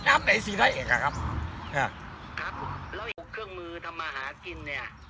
ครับแล้วเอาเครื่องมือทำอาหารกินเนี่ย